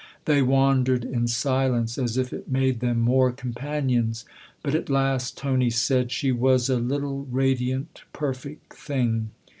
They wandered in silence, as if it made them more companions ; but at last Tony said :" She was a little radiant, perfect thing.